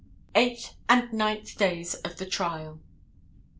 Eighth and Ninth Days of the Trial.